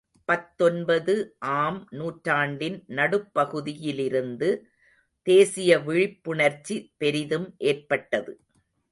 பத்தொன்பது ஆம் நூற்றாண்டின் நடுப்பகுதியிலிருந்து தேசிய விழிப்புணர்ச்சி பெரிதும் ஏற்பட்டது.